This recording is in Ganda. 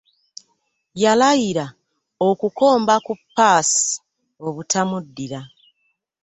Yalayira okukomba ku ppaasi obutamuddira.